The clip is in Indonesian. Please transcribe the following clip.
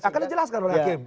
nah kan itu jelas kan oleh hakim